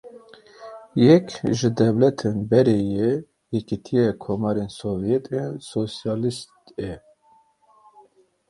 Yek ji dewletên berê yê Yekîtiya Komarên Sovyet ên Sosyalîst e.